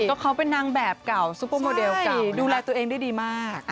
ก็เขาเป็นนางแบบเก่าซุปเปอร์โมเดลเก่าดูแลตัวเองได้ดีมาก